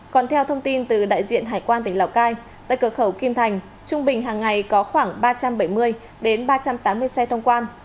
còn theo thông tin từ đại diện hải quan tỉnh lào cai tại cửa khẩu kim thành trung bình hàng ngày có khoảng ba trăm bảy mươi đến ba trăm tám mươi xe thông quan